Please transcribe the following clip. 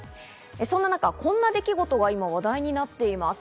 そんな中、こんな出来事が今話題になっています。